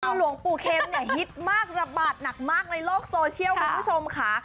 คือหลวงปู่เข็มเนี่ยฮิตมากระบาดหนักมากในโลกโซเชียลคุณผู้ชมค่ะ